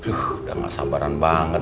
udah gak sabaran banget